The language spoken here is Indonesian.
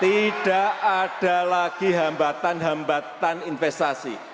tidak ada lagi hambatan hambatan investasi